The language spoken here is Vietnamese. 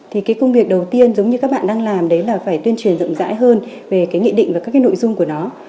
thì cái công việc đầu tiên giống như các bạn đang làm đấy là phải tuyên truyền rộng rãi hơn về cái nghị định và các cái nội dung của nó